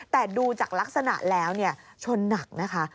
แต่ดูจากลักษณะแล้วชนหนักนะคะ